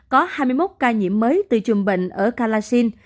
có hai mươi một ca nhiễm mới từ chùm bệnh ở galaxin